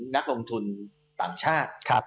นักลงทุนต่างชาติ